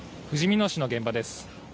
ふじみ野市の現場です。